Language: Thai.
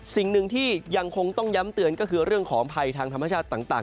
สิ่งหนึ่งที่ยังคงต้องย้ำเตือนก็คือเรื่องของภัยทางธรรมชาติต่าง